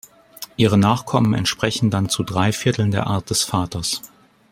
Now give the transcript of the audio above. Ihre Nachkommen entsprechen dann zu drei Vierteln der Art des Vaters.